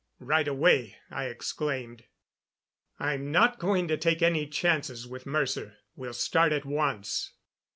"Right away," I exclaimed. "I'm not going to take any chances with Mercer. We'll start at once."